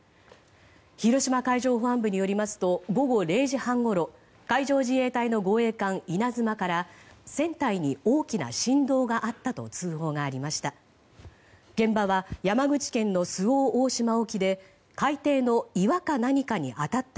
広島海上保安部によりますと午後０時半ごろ海上自衛隊の護衛艦「いなづま」から船体に大きな振動があったと通報がありました。